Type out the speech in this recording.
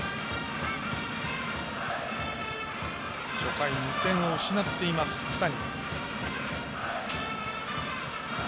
初回２点を失っている福谷。